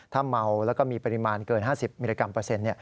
ถ้าเมาแล้วก็มีปริมาณเกิน๕๐มิลลิกรัมเปอร์เซ็นต์